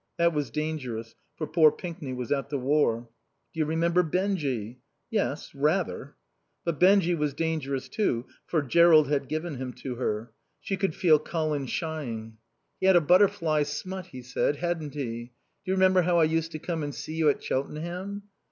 That was dangerous, for poor Pinkney was at the War. "Do you remember Benjy?" "Yes, rather." But Benjy was dangerous, too; for Jerrold had given him to her. She could feel Colin shying. "He had a butterfly smut," he said. "Hadn't he? ...Do you remember how I used to come and see you at Cheltenham?"